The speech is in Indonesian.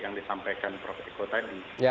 yang disampaikan prof eko tadi